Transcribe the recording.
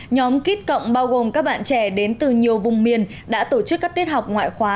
nhóm kit cộng bao gồm các bạn trẻ đến từ nhiều vùng miền đã tổ chức các tiết học ngoại khóa